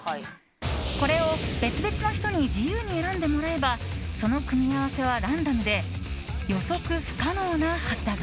これを別々の人に自由に選んでもらえばその組み合わせはランダムで予測不可能なはずだが。